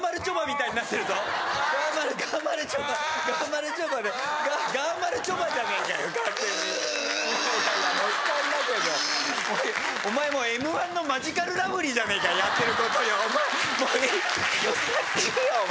いやいやモヒカンだけどもうＭ−１のマヂカルラブリーじゃねえかやってることお前